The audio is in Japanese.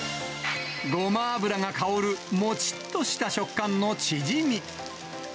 ごま油が香るもちっとした食感のチヂミ。